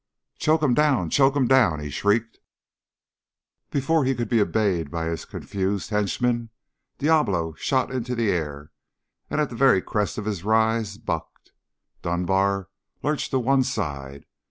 "Choke him down! Choke him " he shrieked. Before he could be obeyed by his confused henchmen, Diablo shot into the air and at the very crest of his rise, bucked. Dunbar lurched to one side.